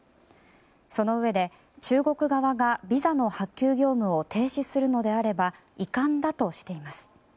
そのうえで、中国側がビザの発給業務を停止するのであれば遺憾だとしています。